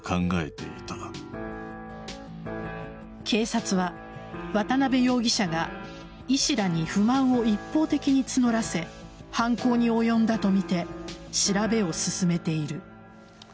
警察は渡辺容疑者が医師らに不満を一方的に募らせ犯行に及んだとみて調べを進めている。